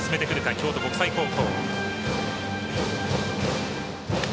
京都国際高校。